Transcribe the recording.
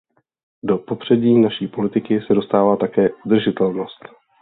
Do popředí naší politiky se dostává také udržitelnost.